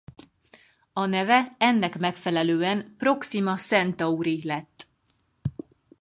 A neve ennek megfelelően Proxima Centauri lett.